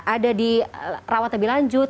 ada dirawat lebih lanjut